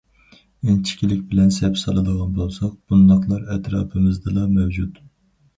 ئىنچىكىلىك بىلەن سەپ سالىدىغان بولساق، بۇنداقلار ئەتراپىمىزدىلا مەۋجۇت.